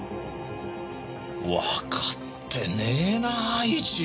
わかってねえなぁイチ。